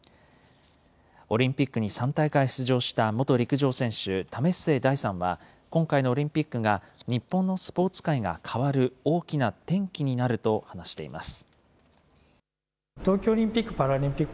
オリンピックに３大会出場した元陸上選手、為末大さんは、今回のオリンピックが、日本のスポーツ界が変わる大きな転機になると話しています。